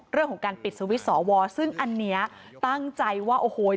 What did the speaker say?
เรื่องของการปิดสวิตช์สอวอซึ่งอันนี้ตั้งใจว่าโอ้โห